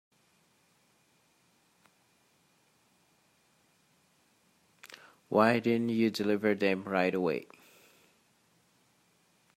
Why didn't you deliver them right away?